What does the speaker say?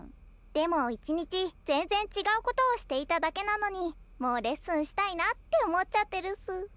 でも１日全然違うことをしていただけなのにもうレッスンしたいなって思っちゃってるっす。